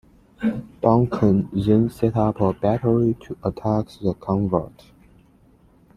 Duncan then set up a battery to attack the convent.